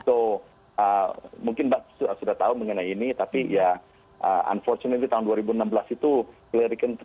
so mungkin mbak sudah tahu mengenai ini tapi ya unfortunately tahun dua ribu enam belas itu